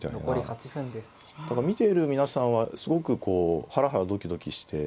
だから見ている皆さんはすごくこうハラハラドキドキして。